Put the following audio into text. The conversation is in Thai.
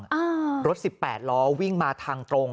อ่ารถสิบแปดล้อวิ่งมาทางตรง